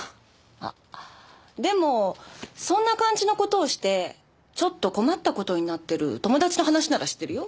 あでもそんな感じの事をしてちょっと困った事になってる友達の話なら知ってるよ。